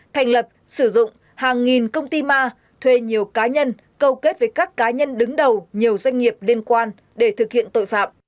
thành lập sử dụng hàng nghìn công ty ma thuê nhiều cá nhân câu kết với các cá nhân đứng đầu nhiều doanh nghiệp liên quan để thực hiện tội phạm